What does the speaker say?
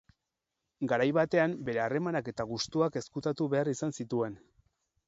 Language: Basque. Garai batean bere harremanak eta gustuak ezkutatu behar izan zituen.